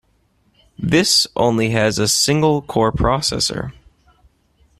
This only has a single core processor.